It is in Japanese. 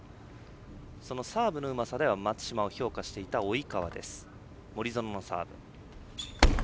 サーブのうまさでは松島を評価していた及川。